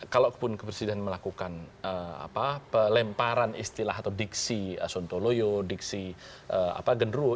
kalaupun kepresiden melakukan pelemparan istilah atau diksi asunto loyo diksi genruo